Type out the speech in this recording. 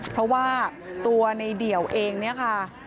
เพราะว่าตัวในเดี่ยวเองเนี่ยค่ะ